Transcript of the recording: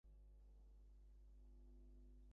তারপর ধারণা-সহায়ে মনকে ধ্যানে স্থির কর।